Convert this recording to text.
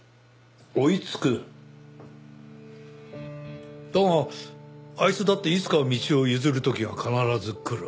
追い付く？だがあいつだっていつかは道を譲る時が必ず来る。